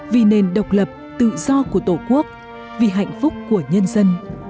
vì nền độc lập tự do của tổ quốc vì hạnh phúc của nhân dân